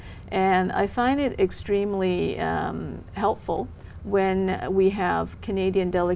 và tôi thấy nó rất hợp lý